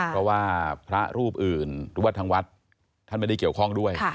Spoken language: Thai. เพราะว่าพระรูปอื่นหรือว่าทางวัดท่านไม่ได้เกี่ยวข้องด้วย